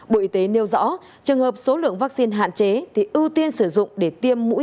bộ y tế nêu rõ trường hợp số lượng vaccine hạn chế thì ưu tiên sử dụng để tiêm mũi